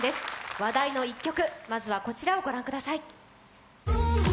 話題の一曲、まずはこちらをご覧ください。